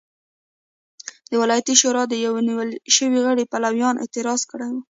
د ولایتي شورا د یوه نیول شوي غړي پلویانو اعتراض کړی و.